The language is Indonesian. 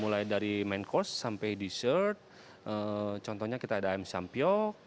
mulai dari main course sampai dessert contohnya kita ada ayam sampiok